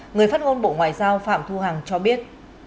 người phát ngôn bộ ngoại giao phạm thu hằng cho biết